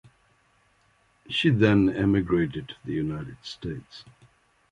She then emigrated to the United States.